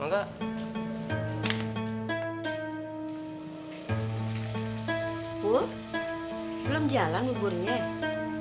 belum jalan buburnya ya